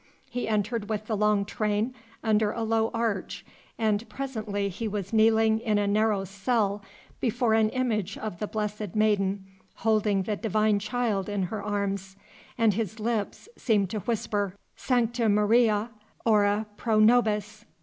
He entered with the long train under a low arch, and presently he was kneeling in a narrow cell before an image of the Blessed Maiden holding the Divine Child in her arms, and his lips seemed to whisper, Sancta Maria, ora pro nobis!